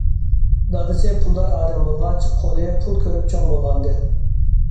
دادىسى پۇلدار ئادەم بولغاچ، قولى پۇل كۆرۈپ چوڭ بولغانىدى.